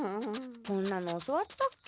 こんなの教わったっけ？